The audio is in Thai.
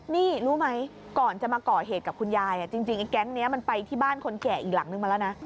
นี่รู้ไหมก่อนจะมาก่อเหตุกับคุณยายจริงไอ้แก๊งนี้มันไปที่บ้านคนแก่อีกหลังนึงมาแล้วนะ